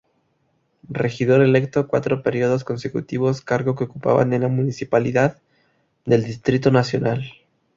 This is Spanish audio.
Regidor electo cuatro periodos consecutivos cargo que ocupaba en la municipalidad del Distrito Nacional.